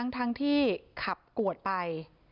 ทั้งที่ขับกวดไป